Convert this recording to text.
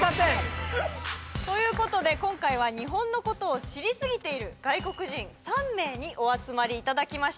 ということで今回は日本のことを知りスギている外国人３名にお集まりいただきました